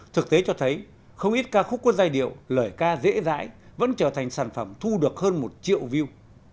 thực tế cho thấy không ít ca khúc có giai điệu lời ca dễ dãi vẫn trở thành sản phẩm thu được hơn một triệu view